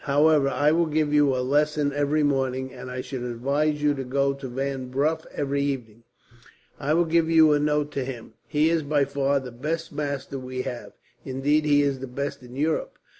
However, I will give you a lesson every morning, and I should advise you to go to Van Bruff every evening. "I will give you a note to him. He is by far the best master we have. Indeed, he is the best in Europe.